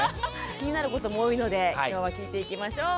気になることも多いので今日は聞いていきましょう。